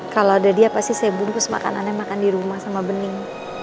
kalau ada dia pasti saya bungkus makanannya makan di rumah sama bening